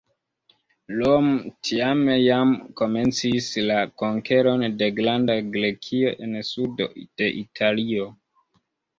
Romo, tiame, jam komencis la konkeron de Granda Grekio en sudo de Italio.